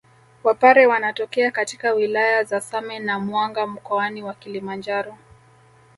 Wapare wanatokea katika wilaya za Same na Mwanga mkoani wa Kilimanjaro